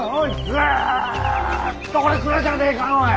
ずっとこれ蔵じゃねえかおい！